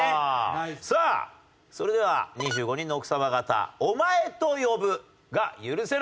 さあそれでは２５人の奥さま方「お前」と呼ぶが許せない方はスイッチオン！